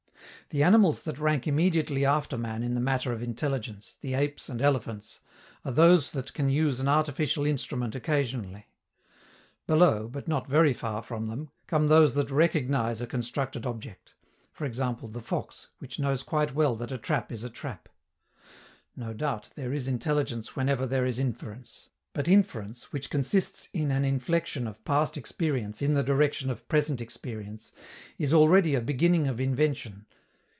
The animals that rank immediately after man in the matter of intelligence, the apes and elephants, are those that can use an artificial instrument occasionally. Below, but not very far from them, come those that recognize a constructed object: for example, the fox, which knows quite well that a trap is a trap. No doubt, there is intelligence wherever there is inference; but inference, which consists in an inflection of past experience in the direction of present experience, is already a beginning of invention.